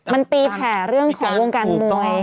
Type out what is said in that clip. มันตีแผ่เรื่องของวงการมวย